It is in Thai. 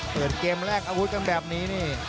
เปิดเกมแรกอาวุธกันแบบนี้นี่